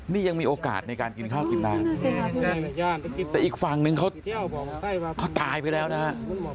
นี่ยังมีโอกาสในการกินข้าวกินน้ำแต่อีกฝั่งนึงเขาตายไปแล้วนะฮะ